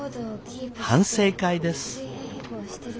反省会です。